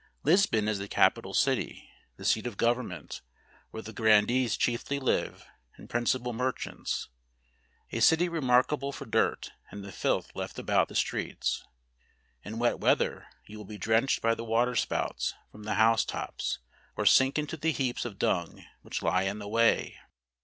Lisbon is the capital city ; the seat of govern PORTUGAL. 95 ment; where the the grandees chiefly live, and principal merchants. A city remarkable for dirt, and the filth left about the streets. In wet wea¬ ther you will be drenched by the water spouts, from the house tops, or sink into the heaps of dung, which lie in the way.